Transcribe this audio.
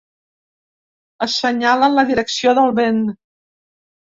Assenyalen la direcció del vent.